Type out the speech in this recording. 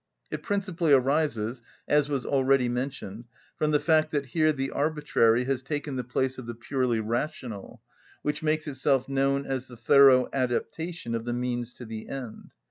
It principally arises, as was already mentioned, from the fact that here the arbitrary has taken the place of the purely rational, which makes itself known as the thorough adaptation of the means to the end.